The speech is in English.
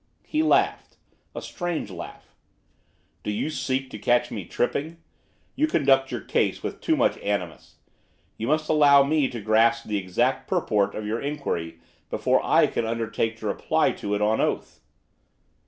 He laughed, a strange laugh. 'Do you seek to catch me tripping? You conduct your case with too much animus. You must allow me to grasp the exact purport of your inquiry before I can undertake to reply to it on oath.